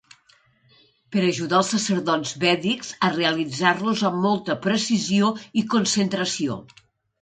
Per ajudar els sacerdots vèdics a realitzar-los amb molta precisió i concentració.